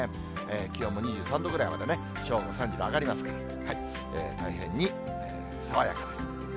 気温２３度ぐらいまでね、正午、３時と上がりますから、大変に爽やかです。